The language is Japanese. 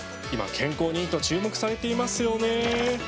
今、健康にいいと注目されていますよね。